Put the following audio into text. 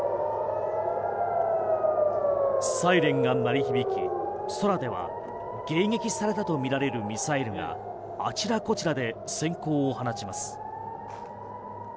サイレンが鳴り響き空では迎撃されたとみられるミサイルがあちらこちらで閃光を放ちます。